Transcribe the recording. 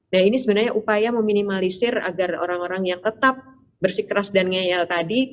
nah ini sebenarnya upaya meminimalisir agar orang orang yang tetap bersikeras dan ngeyel tadi